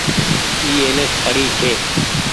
اي اينڪ پڙي ڇي۔